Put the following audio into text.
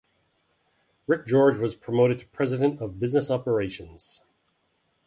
Rick George was promoted to president of business operations.